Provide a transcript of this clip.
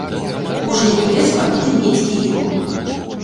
Кожны гулец павінен мець кіёк.